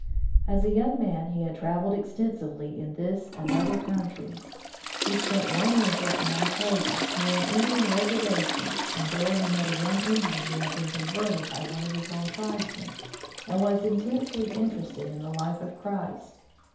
As a young man, he had traveled extensively in this and other coun tries. He spent one winter at Manitoba, 143 From the Deep Woods to Civilization near an Indian reservation, and there he met a young Indian who had been converted by one of his own tribesmen, and was in tensely interested in the life of Christ.